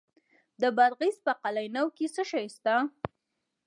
د بادغیس په قلعه نو کې څه شی شته؟